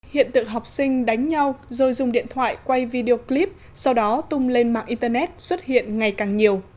hiện tượng học sinh đánh nhau rồi dùng điện thoại quay video clip sau đó tung lên mạng internet xuất hiện ngày càng nhiều